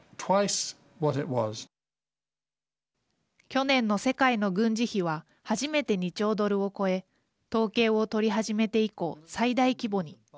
去年の世界の軍事費は初めて２兆ドルを超え統計を取り始めて以降最大規模に。